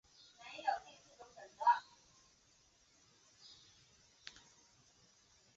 完全不给力